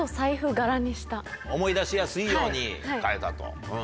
思い出しやすいように変えたと。